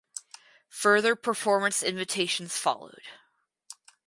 Further performance invitations followed.